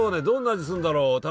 どんな味するんだろう？